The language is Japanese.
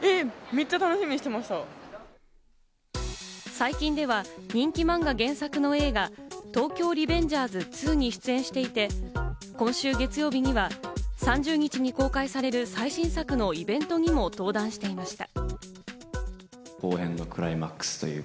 最近では人気漫画原作の映画『東京リベンジャーズ２』に出演していて、今週月曜日には３０日に公開される最新作のイベントにも登壇していました。